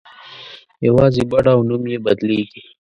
یوازې بڼه او نوم یې بدلېږي.